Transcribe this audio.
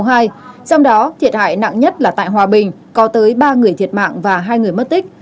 trong đó thiệt hại nặng nhất là tại hòa bình có tới ba người thiệt mạng và hai người mất tích